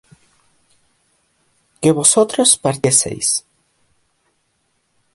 que vosotros partieseis